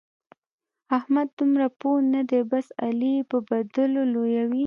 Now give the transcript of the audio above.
احمد دومره پوه نه دی؛ بس علي يې به بدلو لويوي.